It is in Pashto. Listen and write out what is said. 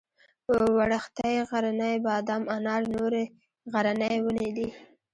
وړښتی غرنی بادام انار نورې غرنۍ ونې دي.